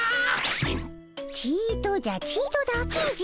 ちとじゃちとだけじゃ。